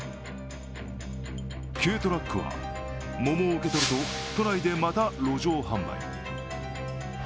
軽トラックは桃を受け取ると都内でまた路上販売。